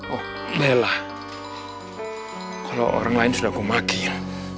oh bella kalo orang lain sudah gua makin